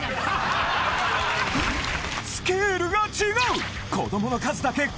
スケールが違う！